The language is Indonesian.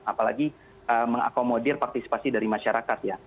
apalagi mengakomodir partisipasi dari masyarakat ya